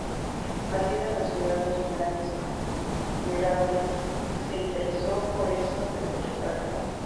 Nacida en la ciudad de Linares, Güiraldes se interesó por eso desde temprana edad.